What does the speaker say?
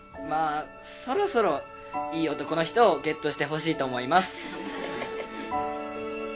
そろそろいい男の人をゲットしてほしいと思います。